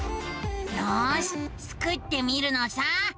よしスクってみるのさ。